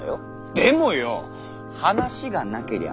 でもよォ「話」がなけりゃあ